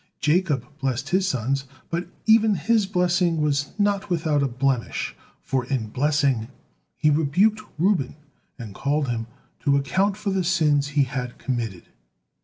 Jacob blessed his sons, but even his blessing was not without a blemish, for in blessing he rebuked Reuben and called him to account for the sins he had committed.